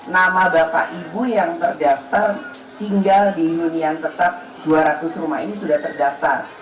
nama bapak ibu yang terdaftar tinggal di hunian tetap dua ratus rumah ini sudah terdaftar